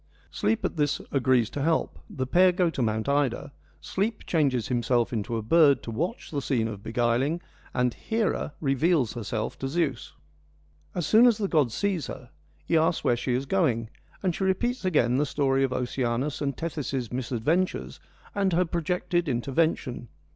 Sleep at this agrees to help, the pair go to Mount Ida, Sleep changes himself into a bird to watch the scene of beguiling, and Hera reveals herself to Zeus. As soon as the god sees her, he asks where she is 24 FEMINISM IN GREEK LITERATURE going, and she repeats again the story of Oceanus and Tethys' misadventures and her projected inter vention.